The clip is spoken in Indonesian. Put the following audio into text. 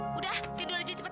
sudah tidur aja cepetan